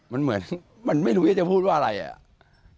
มันเหมือนมันไม่รู้ว่าจะพูดว่าอะไรเป็นคำบรรยาย